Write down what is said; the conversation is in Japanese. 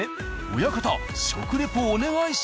親方！